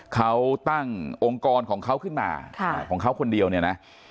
เขาตั้งองค์กรของเขาขึ้นมาของเขาคนเดียวเนี่ยนะ